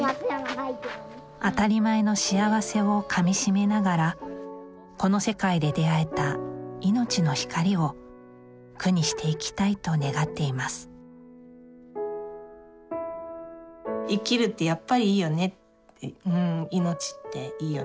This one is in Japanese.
当たり前の幸せをかみしめながらこの世界で出会えた命の光を句にしていきたいと願っています名は。